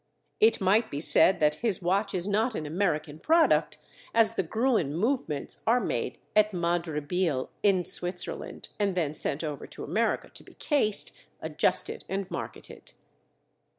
It might be said that his watch is not an American product, as the Gruen movements are made at Madre Biel, in Switzerland, and then sent over to America to be cased, adjusted, and marketed.